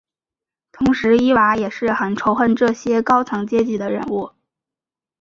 同时伊娃也很仇恨这些高层阶级的人物。